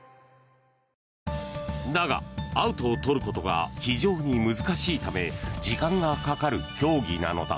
だが、アウトを取ることが非常に難しいため時間がかかる競技なのだ。